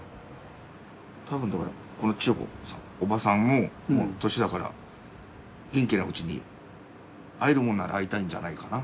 多分この千代子さん叔母さんももう年だから元気なうちに会えるもんなら会いたいんじゃないかな。